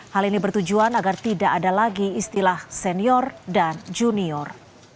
hal ini bertujuan agar tidak ada lagi istilah senior dan junior